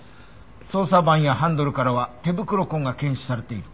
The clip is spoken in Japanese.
操作盤やハンドルからは手袋痕が検出されている。